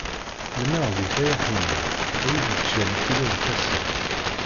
Mennaɣ-n deg-k ay aḥnin, a wi yeččan kilu n tasa.